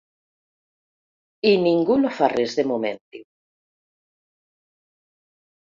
I ningú no fa res de moment, diu.